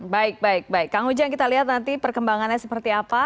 baik baik baik kang ujang kita lihat nanti perkembangannya seperti apa